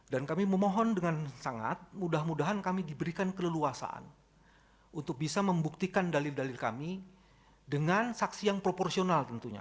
dan kami memohon dengan sangat mudah mudahan kami diberikan keleluasaan untuk bisa membuktikan dalil dalil kami dengan saksi yang proporsional tentunya